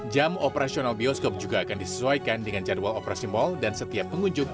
jam operasional bioskop juga akan disesuaikan dengan jadwal operasi mal dan setiap pengunjung